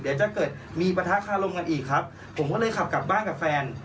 เดี๋ยวจะเกิดมีประทะคารมกันอีกครับผมก็เลยขับกลับบ้านกับแฟน